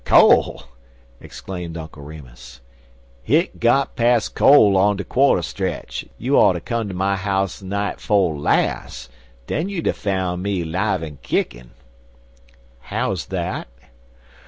"Col'!" exclaimed Uncle Remus; "hit got pas' col' on der quarter stretch. You oughter come to my house night 'fo' las'. Den you'd a foun' me 'live an' kickin'." "How's dat?"